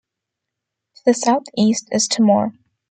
To the southeast is Timor.